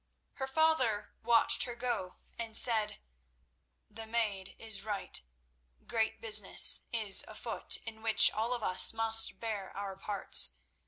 Her father watched her go, and said: "The maid is right. Great business is afoot in which all of us must bear our parts.